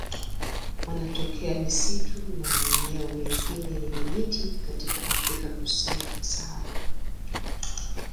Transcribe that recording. Wanatokea misitu na maeneo mengine yenye miti katika Afrika kusini kwa Sahara.